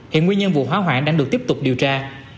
hiện nguyên nhân vụ hỏa hoạn đang được tiếp tục điều tra